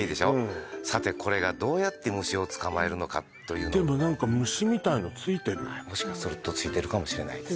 さてこれがどうやって虫を捕まえるのかというでも何か虫みたいのついてるもしかするとついてるかもしれないです